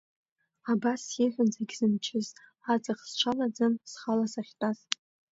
Абас сиҳәон зегь зымчыз, аҵых сҽалаӡан схала сахьтәаз.